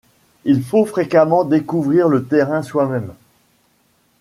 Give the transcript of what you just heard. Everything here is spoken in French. Il faut fréquemment découvrir le terrain soi-même.